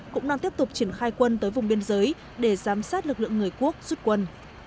cũng đang tiếp tục triển khai quân tới vùng biên giới để giám sát lực lượng người quốc rút quân